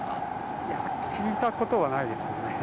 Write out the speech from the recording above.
いや、聞いたことはないです